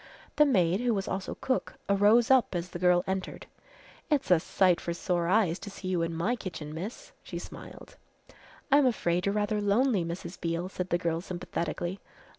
The maid who was also cook arose up as the girl entered. "It's a sight for sore eyes to see you in my kitchen, miss," she smiled. "I'm afraid you're rather lonely, Mrs. Beale," said the girl sympathetically.